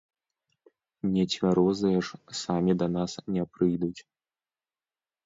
Нецвярозыя ж самі да нас не прыйдуць!